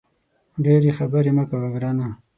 ډېري خبري مه کوه ګرانه !